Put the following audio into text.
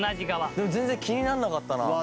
でも全然気にならなかったな。